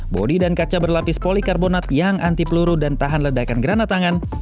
body dan kaca berlapis polikarbonat yang anti peluru dan tahan ledakan granatangan